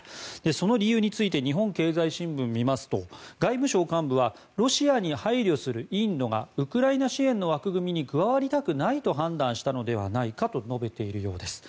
その理由について日本経済新聞を見ますと外務省幹部はロシアに配慮するインドがウクライナ支援の枠組みに加わりたくないと判断したのではないかと述べているようです。